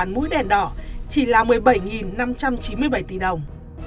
mũi đèn đỏ chỉ là một mươi bảy năm trăm chín mươi bảy tỷ đồng